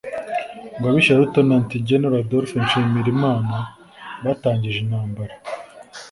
ngo abishe Lt Général Adolphe Nshimirimana batangije intambara